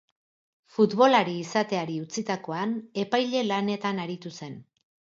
Futbolari izateari utzitakoan, epaile lanetan aritu zen.